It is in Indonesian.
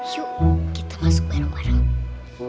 suhu kita masuk bareng bareng